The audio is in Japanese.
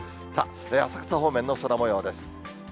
浅草方面の空もようです。